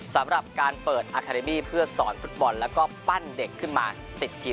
สำหรับการเปิดอาร์คาเดมี